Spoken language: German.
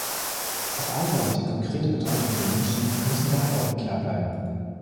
Das Alter und die konkrete Bedeutung der Nischen müssen daher unklar bleiben.